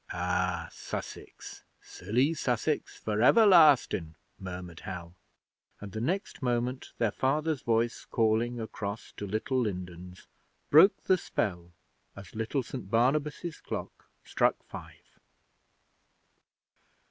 'Ah, Sussex! Sillly Sussex for everlastin',' murmured Hal; and the next moment their Father's voice calling across to Little Lindens broke the spell as little St Barnabas' clock struck five.